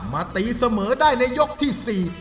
มาตีเสมอได้ในยกที่๔